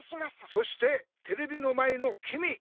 そしてテレビの前のきみ！